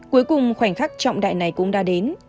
cuối cùng khoảnh khắc trọng đại này cũng đã đến